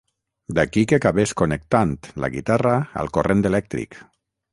D'aquí que acabés connectant la guitarra al corrent elèctric.